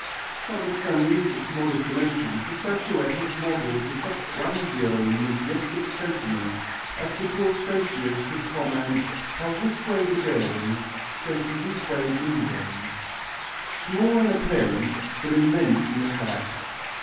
Notwithstanding its modest dimensions the statuette was modelled with such grandeur and majestic sentiment as to cause Statius to comment, "parvusque videri, sentirique ingens" (small in appearance, but immense in effect).